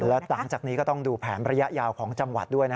แล้วหลังจากนี้ก็ต้องดูแผนระยะยาวของจังหวัดด้วย